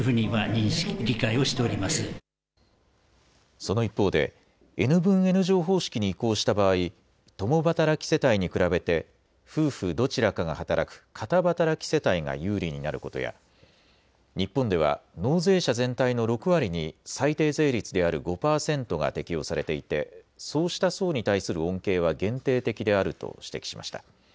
その一方でＮ分Ｎ乗方式に移行した場合、共働き世帯に比べて夫婦どちらかが働く片働き世帯が有利になることや日本では納税者全体の６割に最低税率である５％が適用されていて、そうした層に対する恩恵は限定的であると指摘しました。